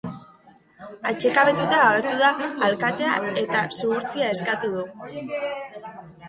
Atsekabetuta agertu da alkatea eta zuhurtzia eskatu du.